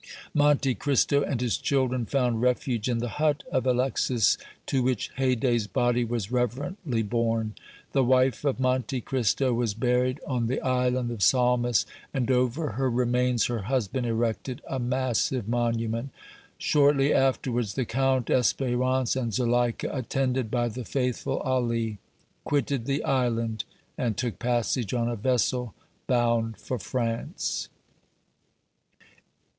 Monte Cristo and his children found refuge in the hut of Alexis, to which Haydée's body was reverently borne. The wife of Monte Cristo was buried on the Island of Salmis, and over her remains her husband erected a massive monument. Shortly afterwards the Count, Espérance and Zuleika, attended by the faithful Ali, quitted the Island and took passage on a vessel bound for France.